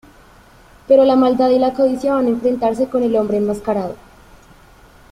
Pero la maldad y la codicia van a enfrentarse con El Hombre Enmascarado.